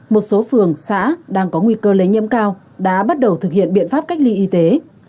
một số phường xã đang có nguy cơ lây nhiễm cao đã bắt đầu thực hiện biện pháp cách ly y tế